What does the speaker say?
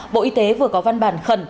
bộ y tế vừa có văn bản khẩn